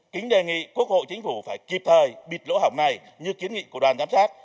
kính đề nghị quốc hội chính phủ phải kịp thời bịt lỗ hỏng này như kiến nghị của đoàn giám sát